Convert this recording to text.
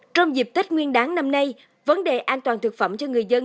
trong dịp tết nguyên đáng năm nay vấn đề an toàn thực phẩm cho người dân